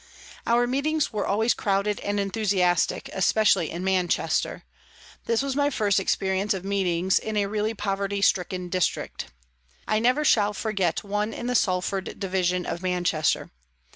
Our meetings were always crowded and enthu siastic, especially in Manchester. This was my first experience of meetings in a really poverty stricken district. I never shall forget one in the Salford Division of Manchester.